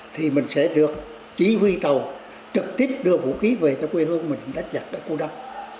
thì mình sẽ được chỉ huy tàu trực tiếp đưa vũ khí về cho quê hương mình đánh giặc ở khu nam